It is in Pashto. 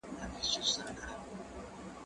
زه پرون لوستل کوم